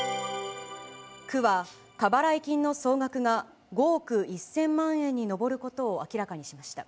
区は、過払い金の総額が５億１０００万円に上ることを明らかにしました。